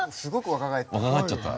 若返っちゃった。